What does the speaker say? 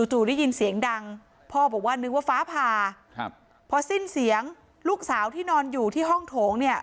จู่ได้ยินเสียงดังพ่อบอกว่านึกว่าฟ้าผ่าครับพอสิ้นเสียงลูกสาวที่นอนอยู่ที่ห้องโถงเนี่ย